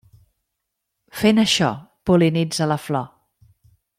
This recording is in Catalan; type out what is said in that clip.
Fent això pol·linitza la flor.